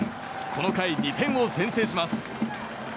この回２点を先制します。